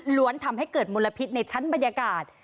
ทำให้เกิดมลพิษในชั้นบรรยากาศ